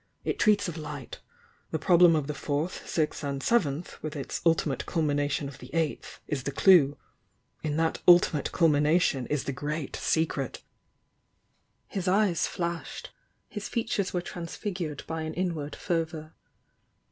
It treats of Light. 'The prob lem of the Fourth, Sixth and Seventh,' with its 'ulti mate culmination of the Eighth' is the clue. In that 'ultimate culmination' is the Great Secret!" His eyes flashed, — his features were transfigured by an inward fervour.